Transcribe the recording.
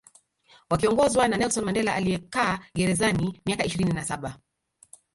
Wakiongozwa na Nelson Mandela aliyekaa gerezani miaka ishirini na Saba